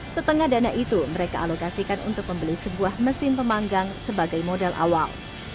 setengah dana itu mereka alokasikan untuk membeli sebuah mesin pemanggang sebagai modal awal